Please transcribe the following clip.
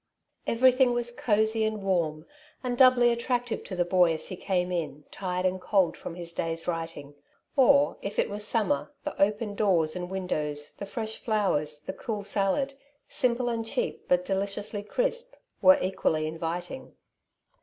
Everything was cozy and warm, and doubly attractive to the boy as he came in tired and cold from his day's writing; or, if it was 12 " Two Sides to every Question^ summer, the open doors and windows, the fresh flowers, the cool salad — simple and cheap, but deli ciously crisp — were equally inviting.